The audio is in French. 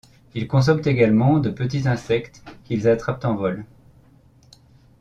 Ils consomment également de petits insectes qu'ils attrapent en vol.